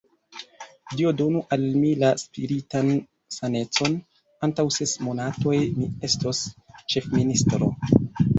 Dio donu al mi la spiritan sanecon: antaŭ ses monatoj, mi estos ĉefministro.